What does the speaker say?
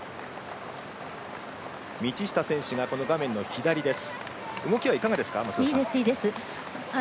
道下選手が画面の左です。